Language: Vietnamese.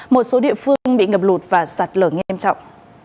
một số địa phương bị ngập lụt và sạt lở nghiêm trọng